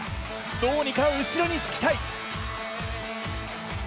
どうにか後ろにつきたい。